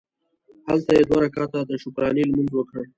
هلته یې دوه رکعته د شکرانې لمونځ وکړ.